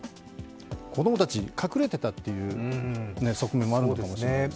子供たち隠れてたという側面もあるのかもしれないですね。